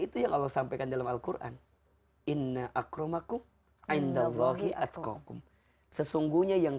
itu yang allah sampaikan dalam alquran inna akromaqum indahulohi atkukum sesungguhnya yang